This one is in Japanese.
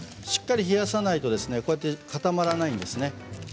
しっかり冷やさないとこうやって固まらないですね。